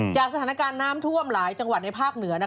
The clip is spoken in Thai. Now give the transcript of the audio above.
จากสถานการณ์น้ำท่วมหลายจังหวัดในภาคเหนือ